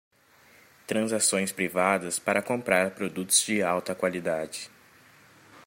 Transações privadas para comprar produtos de alta qualidade